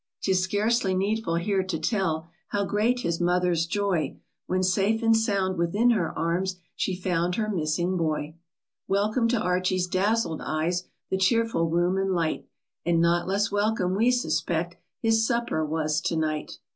'Tis scarcely needful here to tell How great his mother's joy, When safe and sound within hei arms She found her missing boy. Welcome to Archie's dazzled eyes The cheerful room and light, And not less welcome we suspect, His supper was to night.